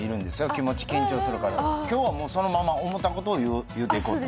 気持ち緊張するから今日はもうそのまま思ったことを言うていこうと？